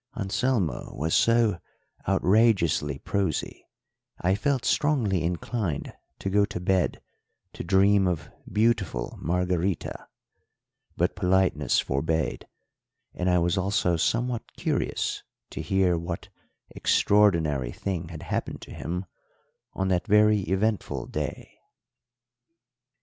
Anselmo was so outrageously prosy, I felt strongly inclined to go to bed to dream of beautiful Margarita; but politeness forbade, and I was also somewhat curious to hear what extraordinary thing had happened to him on that very eventful day.